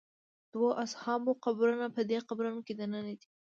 د دوو اصحابو قبرونه په دې قبرونو کې دننه دي.